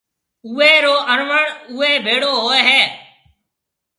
اوئيَ رو اروڻ اوئيَ ڀيڙو ھوئيَ ھيََََ